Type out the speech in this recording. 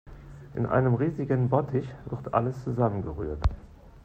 In einem riesigen Bottich wird alles zusammengerührt.